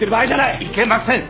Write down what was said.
いけません！